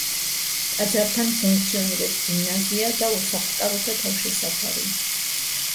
ტაძართან ფუნქციონირებს გიმნაზია და უსახლკაროთა თავშესაფარი.